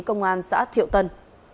công an xã thiệu tân